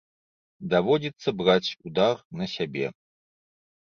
Даводзіцца браць удар на сябе.